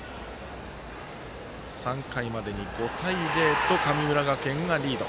３回までに５対０と神村学園がリード。